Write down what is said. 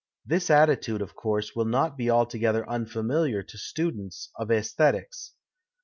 This attitude, of course, will not be altogether unfamiliar to students of aesthetics.